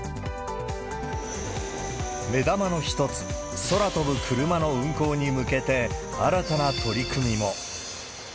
目玉の一つ、空飛ぶクルマの運航に向けて、新たな取り組みも。